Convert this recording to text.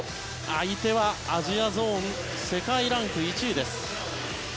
相手はアジアゾーン世界ランク１位です。